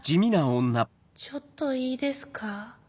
ちょっといいですか？